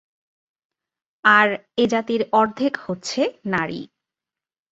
আর এ জাতির অর্ধেক হচ্ছে নারী।